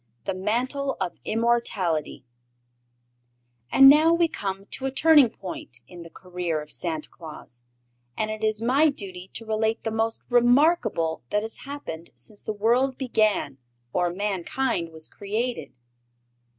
The Mantle of Immortality And now we come to a turning point in the career of Santa Claus, and it is my duty to relate the most remarkable that has happened since the world began or mankind was created.